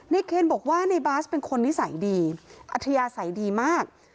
เคนบอกว่าในบาสเป็นคนนิสัยดีอัธยาศัยดีมาก